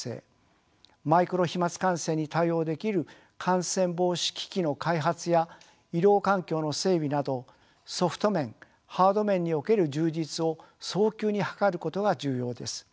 マイクロ飛まつ感染に対応できる感染防止機器の開発や医療環境の整備などソフト面ハード面における充実を早急に図ることが重要です。